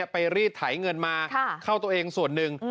รีดไถเงินมาเข้าตัวเองส่วนหนึ่ง